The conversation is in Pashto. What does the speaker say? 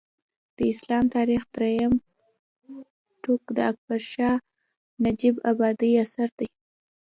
د اسلام تاریخ درېیم ټوک د اکبر شاه نجیب ابادي اثر دی